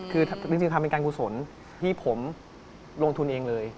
คือจริงค่ะเป็นการผู้สนที่ผมลงทุนเองเลย